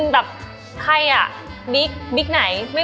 แบบใครอ่ะบิ๊กบิ๊กไหน